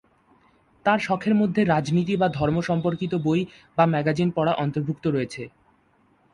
তার শখের মধ্যে রাজনীতি বা ধর্ম সম্পর্কিত বই বা ম্যাগাজিন পড়া অন্তর্ভুক্ত রয়েছে।